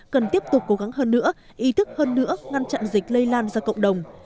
cần tiếp tục cố gắng hơn nữa ý thức hơn nữa ngăn chặn dịch lây lan ra cộng đồng